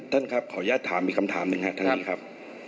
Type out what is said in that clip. ท่านครับขออนุญาตถามอีกคำถามหนึ่งครับทางนี้ครับ